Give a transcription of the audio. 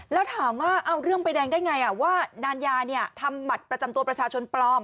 แล้วถามว่าเอาเรื่องใบแดงได้ไงว่านานยาทำบัตรประจำตัวประชาชนปลอม